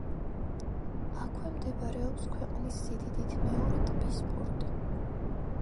აქვე მდებარეობს ქვეყნის სიდიდით მეორე ტბის პორტი.